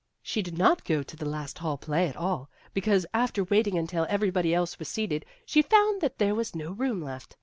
"She did not go to the last Hall Play at all, because, after waiting until every body else was seated, she found that there was no room left.